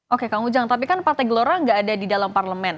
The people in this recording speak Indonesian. oke kang ujang tapi kan partai gelora nggak ada di dalam parlemen